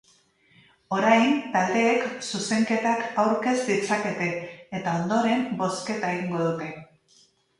Orain, taldeek zuzenketak aurkez ditzakete, eta ondoren bozketa egingo dute.